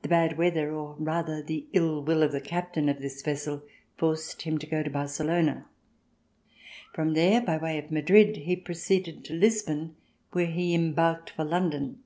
The had weather, or rather the ill will of the captain of this vessel, forced him to go to Barcelona. From there, by way of Madrid, he proceeded to Lisbon where he embarked for London.